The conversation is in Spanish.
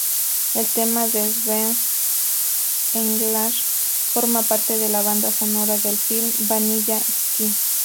El tema de Svefn-g-englar forma parte de la banda sonora del film Vanilla Sky.